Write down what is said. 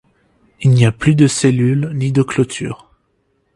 Il n'y a plus de cellules ni de clôtures.